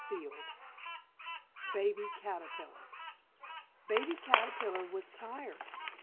chirrup!" Baby Caterpillar Baby Caterpillar was tired.